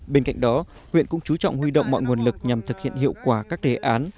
bên cạnh đó huyện cũng chú trọng huy động mọi nguồn lực nhằm thực hiện hiệu quả các đề án